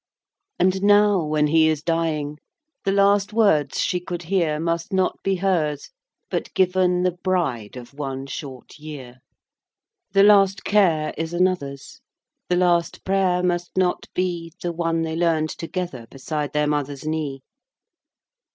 XII. And now, when he is dying, The last words she could hear Must not be hers, but given The bride of one short year. The last care is another's; The last prayer must not be The one they learnt together Beside their mother's knee.